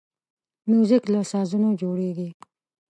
موزیک له سازونو جوړیږي.